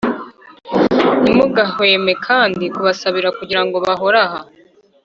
ntimugahweme kandi kubasabira kugira ngo bahore aha